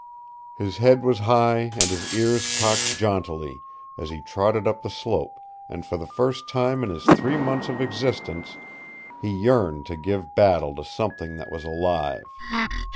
His head was high and his ears cocked jauntily as he trotted up the slope, and for the first time in his three months of existence he yearned to give battle to something that was alive.